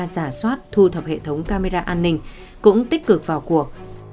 giả soát thu thập hệ thống camera an ninh cũng tích cực vào cuộc